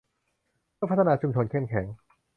เพื่อพัฒนาชุมชนเข้มแข็ง